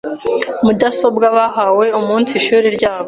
mudasobwa bahawe umunsi ishuri, ryabo